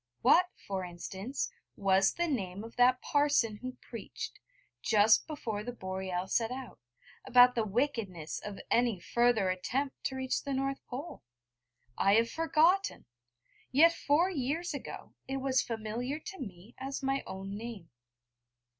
What, for instance, was the name of that parson who preached, just before the Boreal set out, about the wickedness of any further attempt to reach the North Pole? I have forgotten! Yet four years ago it was familiar to me as my own name.